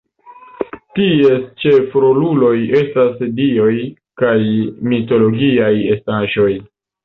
Ties ĉefroluloj estas dioj kaj mitologiaj estaĵoj.